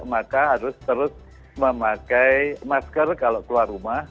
maka harus terus memakai masker kalau keluar rumah